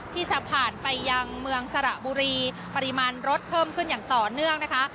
ที่จะผ่านไปยังเมืองสระบุรีปริมาณรถเพิ่มขึ้นอย่างต่อเนื่องนะคะ